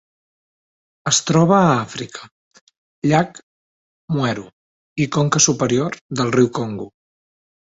Es troba a Àfrica: llac Mweru i conca superior del riu Congo.